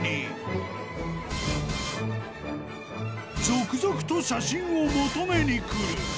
［続々と写真を求めに来る］